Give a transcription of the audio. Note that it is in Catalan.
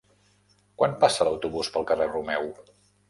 Quan passa l'autobús pel carrer Romeu?